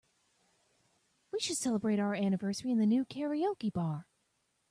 We should celebrate our anniversary in the new karaoke bar.